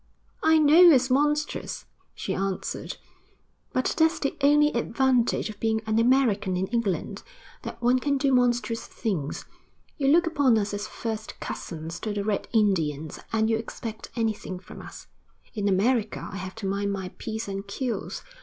'I know it's monstrous,' she answered. 'But that's the only advantage of being an American in England, that one can do monstrous things. You look upon us as first cousins to the red Indians, and you expect anything from us. In America I have to mind my p's and q's.